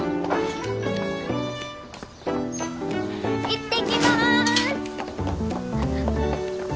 いってきます！